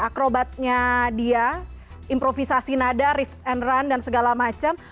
akrobatnya dia improvisasi nada rift and run dan segala macam